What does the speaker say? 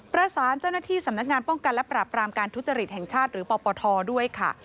ประสานเจ้าหน้าที่สำนักงานป้องกันและปราบรามการทุจริตแห่งชาติหรือปปทด้วยค่ะ